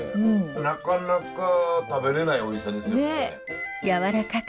なかなか食べれないおいしさですよね。